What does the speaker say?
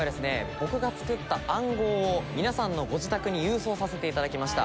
僕が作った暗号を皆さんのご自宅に郵送させていただきました。